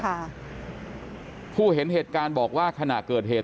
ค่ะผู้เห็นเหตุการณ์บอกว่าขณะเกิดเหตุ